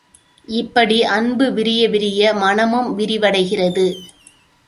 இப்படி அன்பு விரிய விரிய, மனமும் விரிவடைகிறது.